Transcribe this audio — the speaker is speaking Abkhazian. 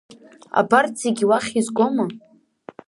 Абарҭ зегьы уахь изгома?